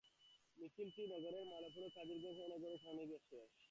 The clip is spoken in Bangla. মিছিলটি নগরের মালোপাড়া কাদিরগঞ্জ হয়ে নগর ভবনের সামনে গিয়ে শেষ হয়।